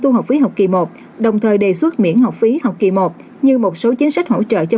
thu học phí học kỳ một đồng thời đề xuất miễn học phí học kỳ một như một số chính sách hỗ trợ cho